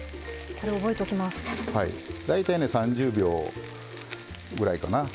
大体３０秒ぐらいかな。